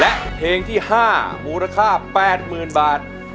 และเพลงที่๕มูลค่า๘๐๐๐บาท